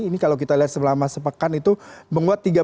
ini kalau kita lihat seberapa sepekan itu menurut saya